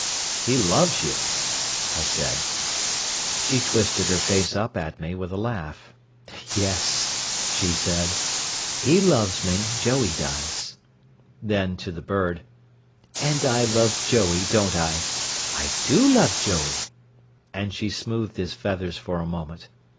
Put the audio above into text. "He loves you," I said. She twisted her face up at me with a laugh. "Yes," she said, "he loves me, Joey does" then, to the bird "and I love Joey, don't I? I do love Joey." And she smoothed his feathers for a moment.